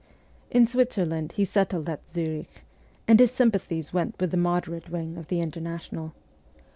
In Switzerland he settled at Zurich, and his sym pathies went with the moderate wing of the Inter national.